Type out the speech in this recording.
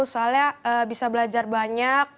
soalnya bisa belajar banyak